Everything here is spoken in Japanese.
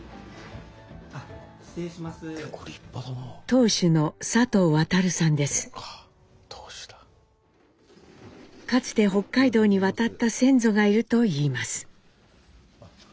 当主のかつて北海道に渡った先祖がいると言います。